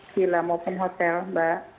sila maupun hotel mbak